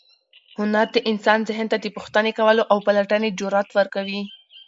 هنر د انسان ذهن ته د پوښتنې کولو او پلټنې جرات ورکوي.